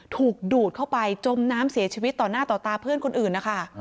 ถูกดูดเข้าไปจมน้ำเสียชีวิตต่อหน้าต่อตาเพื่อนคนอื่นนะคะ